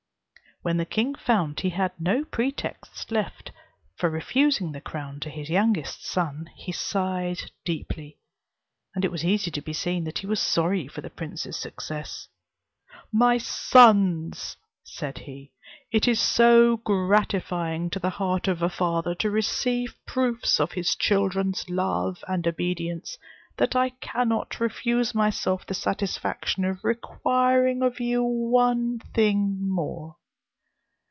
When the king found he had no pretext left for refusing the crown to his youngest son, he sighed deeply, and it was easy to be seen that he was sorry for the prince's success. "My sons," said he, "it is so gratifying to the heart of a father to receive proofs of his children's love and obedience, that I cannot refuse myself the satisfaction of requiring of you one thing more.